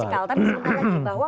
tapi sementara lagi bahwa